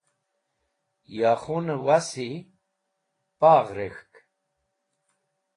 Yo khunẽ wasi paghz rek̃hk.